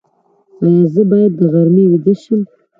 ایا زه باید د غرمې ویده شم؟